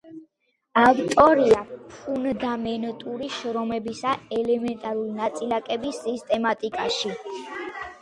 ავტორია ფუნდამენტური შრომებისა ელემენტარული ნაწილაკების სისტემატიკაში.